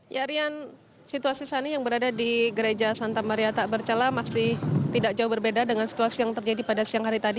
ya rian situasi saat ini yang berada di gereja santa maria tak bercela masih tidak jauh berbeda dengan situasi yang terjadi pada siang hari tadi